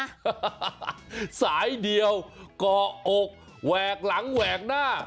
สายเดียวก่ออกแหวกหลังแหวกหน้า